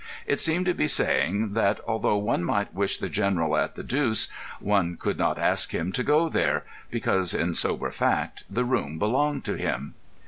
It seemed to be saying that, although one might wish the General at the deuce, one could not ask him to go there, because in sober fact the room belonged to him.